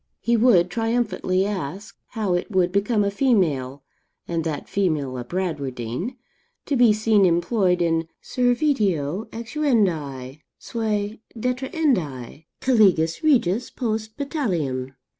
He would triumphantly ask, how it would become a female, and that female a Bradwardine, to be seen employed in servitio exuendi, seu detrahendi, caligas regis post battaliam?